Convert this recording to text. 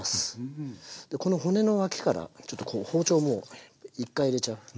この骨の脇からちょっとこう包丁もう１回入れちゃう。